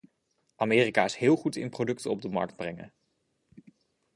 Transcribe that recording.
Amerika is heel goed in producten op de markt brengen.